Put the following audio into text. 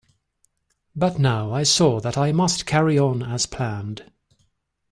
But now I saw that I must carry on as planned.